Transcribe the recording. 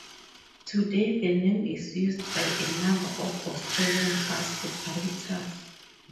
Today the name is used by a number of Australian bus operators.